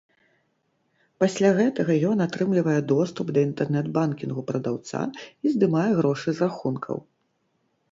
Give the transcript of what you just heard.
Пасля гэтага ён атрымлівае доступ да інтэрнэт-банкінгу прадаўца і здымае грошы з рахункаў.